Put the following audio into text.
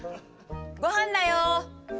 ごはんだよ！